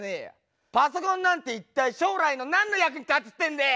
パソコンなんて一体将来の何の役に立つってんだよ！